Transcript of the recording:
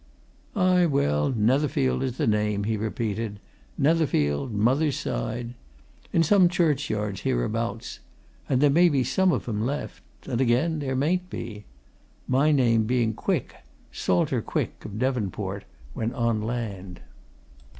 "Aye, well, Netherfield is the name," he repeated. "Netherfield, mother's side. In some churchyards hereabouts. And there may be some of 'em left and again there mayn't be. My name being Quick Salter Quick. Of Devonport when on land."